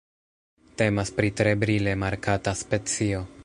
Temas pri tre brile markata specio.